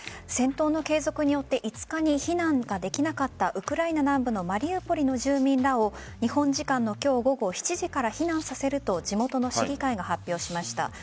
戦闘の継続によって５日に避難ができなかったウクライナ南部のマリウポリの住民らを日本時間の今日午後７時から避難させると地元の市議会が発表しました。